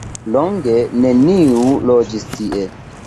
Longe neniu loĝis tie.